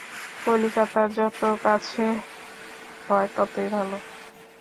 কলিকাতার যত কাছে হয় ততই ভাল।